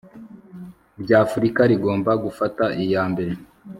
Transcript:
ry afurika rigomba gufata iya mbere